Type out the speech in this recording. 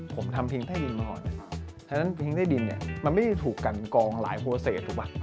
ผมทำเพียงไทยดินมาก่อนฉะนั้นเพียงไทยดินมันไม่ถูกกันกองหลายโปรเซต